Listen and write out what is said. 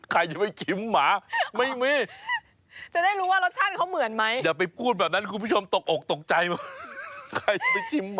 คือมันเป็นช็อกโกแลตชิปใช่ไหม